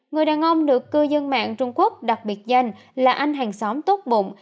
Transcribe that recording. người đàn ông được cư dân mạng trung quốc đặc biệt danh là anh hàng xóm tốt bụng